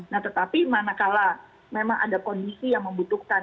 nah tetapi mana kala memang ada kondisi yang membutuhkan